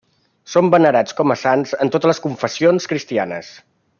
Són venerats com a sants en totes les confessions cristianes.